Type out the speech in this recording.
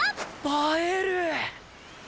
映える！